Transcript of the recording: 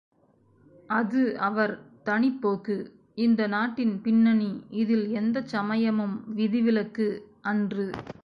அது அவர் தனிப் போக்கு இந்த நாட்டின் பின்னணி இதில் எந்தச் சமயமும் விதி விலக்கு அன்று.